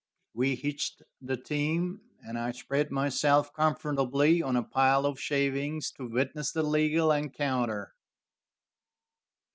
We hitched the team, and I spread myself comfortably on a pile of shavings to witness the legal encounter.